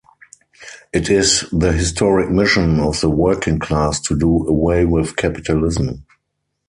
It is the historic mission of the working class to do away with capitalism.